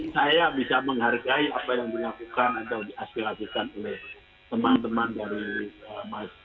jadi saya bisa menghargai apa yang dilakukan atau diaksesikan oleh teman teman dari mas adik pak asep salih sibin